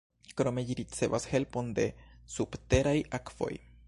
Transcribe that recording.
Krome ĝi ricevas helpon de subteraj akvoj.